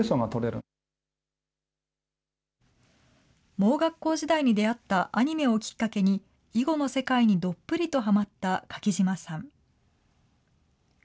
盲学校時代に出会ったアニメをきっかけに、囲碁の世界にどっぷりとはまった柿島さん。